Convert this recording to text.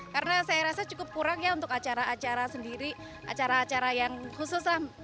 karena saya rasa cukup kurang ya untuk acara acara yang khusus